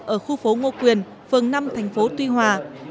ở khu phố ngô quyền phường năm thành phố tuy hòa